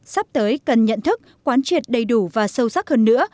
sắp tới cần nhận thức quán triệt đầy đủ và sâu sắc hơn nữa